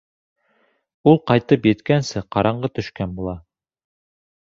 Ул ҡайтып еткәнсе ҡараңғы төшкән була.